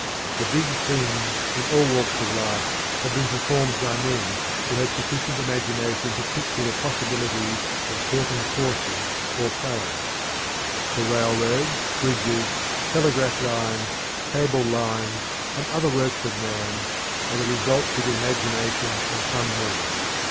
The "big things" in all walks of life have been performed by men who had sufficient imagination to picture the possibilities of certain courses or plans. The railroads, bridges, telegraph lines, cable lines, and other works of man are the results of the imagination of some men.